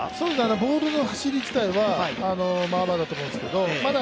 ボールの走り自体はまあまあだと思うんですけどまだ